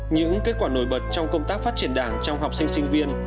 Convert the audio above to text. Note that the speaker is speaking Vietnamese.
những kết quả nổi bật trong công tác phát triển đảng trong học sinh sinh viên